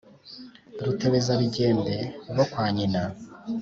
Rutebezabigembe bo kwa nyina